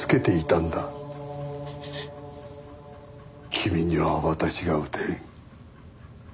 君には私が撃てん。